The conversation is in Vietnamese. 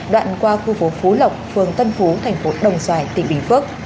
đoạn qua khu phố phú lộc phường tân phú thành phố đồng xoài tỉnh bình phước